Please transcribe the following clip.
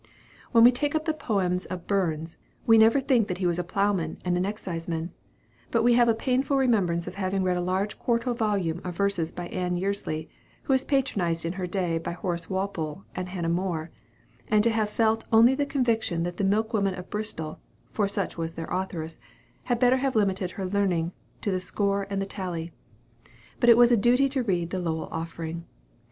When we take up the poems of Burns, we never think that he was a ploughman and an exciseman; but we have a painful remembrance of having read a large quarto volume of verses by Ann Yearsly, who was patronized in her day by Horace Walpole and Hannah More, and to have felt only the conviction that the milkwoman of Bristol, for such was their authoress, had better have limited her learning to the score and the tally. But it was a duty to read the "Lowell Offering."